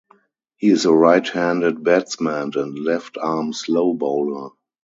He is a right-handed batsman and left-arm slow bowler.